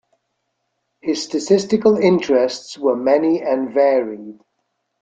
His statistical interests were many and varied.